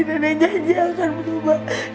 nenek janji akan berubah